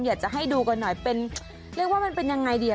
อยากจะให้ดูก่อนหน่อยเรียกว่ามันเป็นยังไงดี